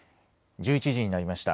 １１時になりました。